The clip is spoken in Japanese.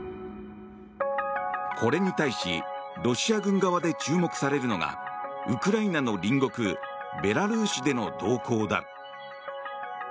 これに対しロシア軍側で注目されるのがウクライナの隣国ベラルーシでの動向だ。